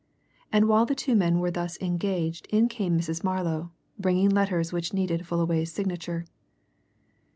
And while the two men were thus engaged in came Mrs. Marlow, bringing letters which needed Fullaway's signature.